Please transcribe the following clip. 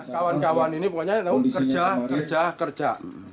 kawan kawan ini pokoknya kamu kerja kerja